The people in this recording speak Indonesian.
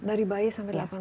dari bayi sampai delapan